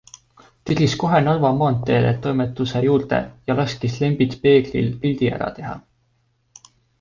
Tiris kohe Narva maanteele toimetuse juurde ja laskis Lembit Peeglil pildi ära teha.